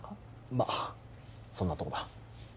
まっそんなとこだ